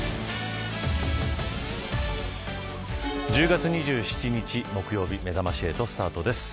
１０月２７日木曜日めざまし８スタートです。